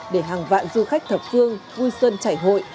để hàng vạn du khách thập phương vui xuân chảy hội